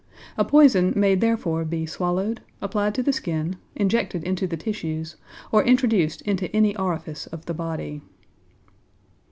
A poison may therefore be swallowed, applied to the skin, injected into the tissues, or introduced into any orifice of the body.